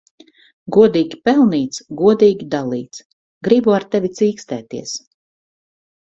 Godīgi pelnīts, godīgi dalīts. Gribu ar tevi cīkstēties.